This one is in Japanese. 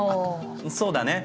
そうだね。